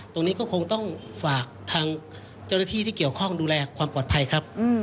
ตรงนี้ก็คงต้องฝากทางเจ้าหน้าที่ที่เกี่ยวข้องดูแลความปลอดภัยครับ